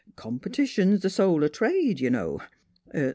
Competition's th' soul o' trade, y' know.